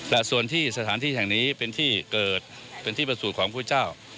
และส่วนที่สถานที่แห่งนี้เป็นที่เกิดเป็นที่ประสูจน์ของพุทธเจ้า